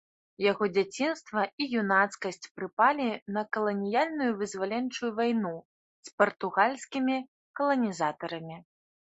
Яго дзяцінства і юнацкасць прыпалі на каланіяльную вызваленчую вайну з партугальскімі каланізатарамі.